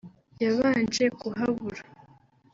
yabanje kuhabura